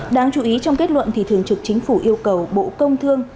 đáng chú ý trong kết luận thì thường trực chính phủ yêu cầu bộ công thương